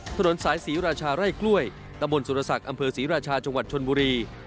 ถนนสายศรีราชาไร่กล้วยตะบนสุรศักดิ์อำเภอศรีราชาจังหวัดชนบุรี